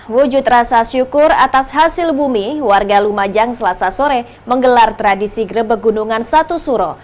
wujud rasa syukur atas hasil bumi warga lumajang selasa sore menggelar tradisi grebek gunungan satu suro